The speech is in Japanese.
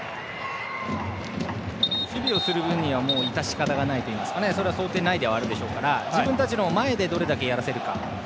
守備をする分には致し方ないというか想定内ではあるでしょうから自分たちの前でどれだけやらせるか。